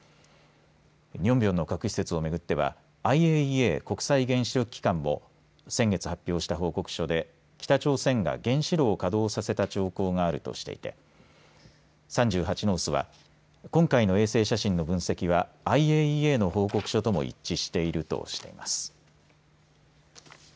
ニョンビョンの核施設を巡ってはＩＡＥＡ・国際原子力機関も先月、発表した報告書で北朝鮮が原子炉を稼働させた兆候があるとしていて３８ノースは今回の衛星写真の分析はＩＡＥＡの報告書とも一致しているとしています。